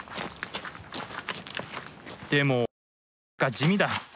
でも何か地味だ。